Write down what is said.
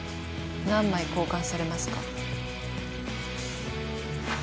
何枚交換されますか？